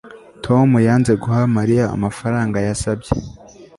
tom yanze guha mariya amafaranga yasabye